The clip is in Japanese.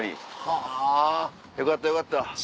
はぁよかったよかった。